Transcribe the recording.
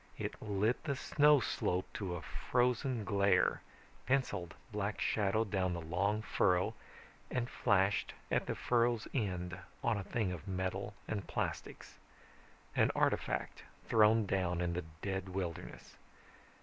It lit the snow slope to a frozen glare, penciled black shadow down the long furrow, and flashed at the furrow's end on a thing of metal and plastics, an artifact thrown down in the dead wilderness.